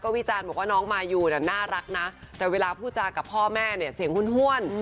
วิจารณ์ระวังว่าน้องมายุน่ารักแต่เวลาพูดคำกับพ่อแม่เสียงห้วน